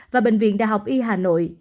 và bệnh viện đại học y hà nội